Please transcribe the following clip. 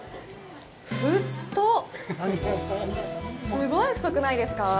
すごい太くないですか！？